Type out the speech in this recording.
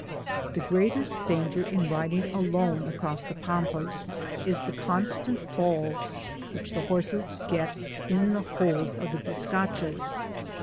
The greatest danger in riding alone across the Pampas proceeds from the constant falls which the horses get in the holes of the biscachos.